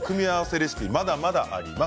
レシピまだまだあります。